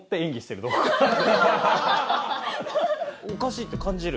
おかしいって感じる？